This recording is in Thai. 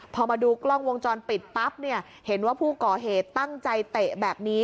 พอมาดูกล้องวงจรปิดปั๊บเนี่ยเห็นว่าผู้ก่อเหตุตั้งใจเตะแบบนี้